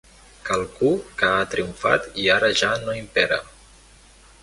Qualcú que ha triomfat i ara ja no impera.